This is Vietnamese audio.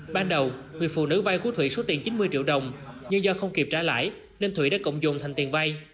ban đầu người phụ nữ vai của thủy số tiền chín mươi triệu đồng nhưng do không kịp trả lãi nên thủy đã cộng dụng thành tiền vai